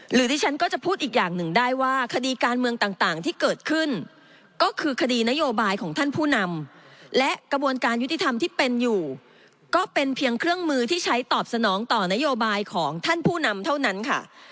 หรือที่ฉันก็จะพูดอีกอย่างหนึ่งได้ว่าคดีการเมืองต่างที่เกิดขึ้นก็คือคดีนโยบายของท่านผู้นำและกระบวนการยุติธรรมที่เป็นอยู่ก็เป็นเพียงเครื่องมือที่ใช้ตอบสนองต่อนโยบายของท่านผู้นำเท่านั้นค่ะ